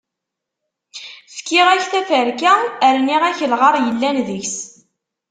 Fkiɣ-ak taferka rniɣ-ak lɣar yellan deg-s.